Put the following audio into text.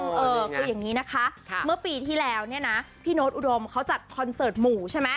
คืออย่างนี้นะคะเมื่อปีที่แล้วพี่โน้ตอุดมเขาจัดคอนเสิร์ตหมู่